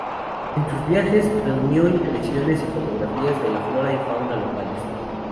En sus viajes, reunió impresiones y fotografías de la flora y la fauna locales.